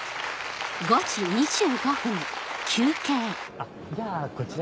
あっじゃあこちら。